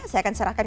saya akan serahkan